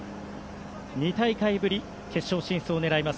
２大会ぶり決勝進出を狙います